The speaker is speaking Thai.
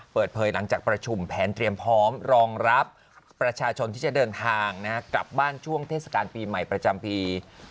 เปิดเผยหลังจากประชุมแผนเตรียมพร้อมรองรับประชาชนที่จะเดินทางกลับบ้านช่วงเทศกาลปีใหม่ประจำปี